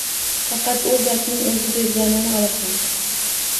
Faqat U Zotning O‘zi berganini olasan